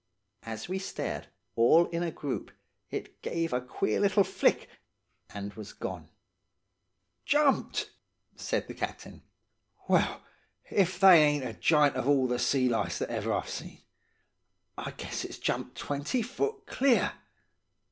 As we stared, all in a group, it gave a queer little flick, and was gone. "'Jumped!' said the captain. 'Well, if that ain't a giant of all the sea lice that ever I've seen. I guess it's jumped twenty foot clear.